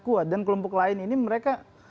kuat dan kelompok lain ini mereka